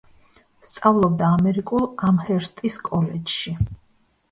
სწავლობდა ამერიკულ ამჰერსტის კოლეჯში.